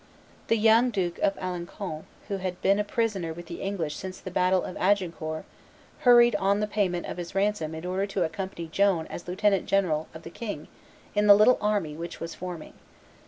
The young Duke of Alencon, who had been a prisoner with the English since the battle of Agincourt, hurried on the payment of his ransom in order to accompany Joan as lieutenant general of the king in the little army which was forming.